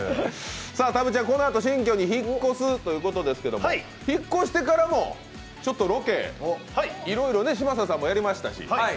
たぶっちゃん、このあと新居に引っ越すということですけど引っ越してからもロケ、いろいろ嶋佐さんもやりましたし。